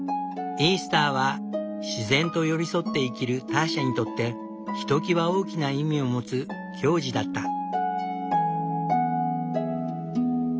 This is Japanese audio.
イースターは自然と寄り添って生きるターシャにとってひときわ大きな意味を持つ行事だった。